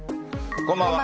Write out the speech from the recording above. こんばんは。